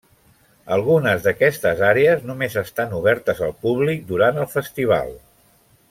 Algunes d'aquestes àrees només estan obertes al públic durant el festival.